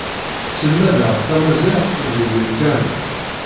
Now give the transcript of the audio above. Sselmadeɣ tamaziɣt deg Internet.